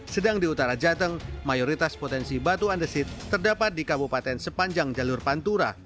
sedang di utara jateng mayoritas potensi batu andesit terdapat di kabupaten sepanjang jalur pantura